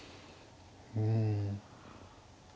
うん。